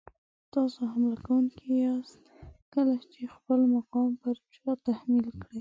تاسو حمله کوونکي یاست کله چې خپل مقام پر چا تحمیل کړئ.